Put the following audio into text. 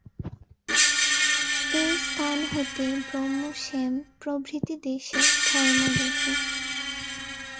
এ স্থান হতেই ব্রহ্ম শ্যাম প্রভৃতি দেশে ধর্ম গেছে।